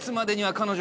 彼女。